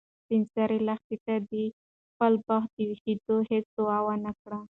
سپین سرې لښتې ته د خپل بخت د ویښېدو هیڅ دعا ونه کړه.